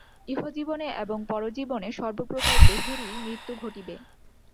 ইহজীবনে এবং পরজীবনে সর্বপ্রকার দেহেরই মৃত্যু ঘটিবে।